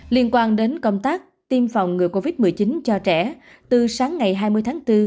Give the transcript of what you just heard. liên quan đến công tác tiêm phòng ngừa covid một mươi chín cho trẻ từ sáng ngày hai mươi tháng bốn